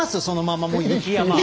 そのままもう雪山。